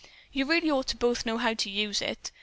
"You really ought to both know how to use it.